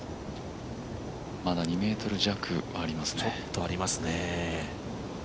まだ２ｍ弱ありますね。